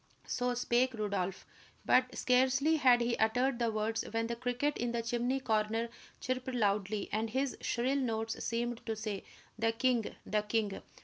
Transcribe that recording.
So spake Rodolph; but scarcely had he uttered the words when the cricket in the chimney corner chirped loudly, and his shrill notes seemed to say: "The king the king."